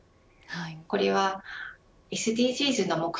これはＳＤＧｓの目標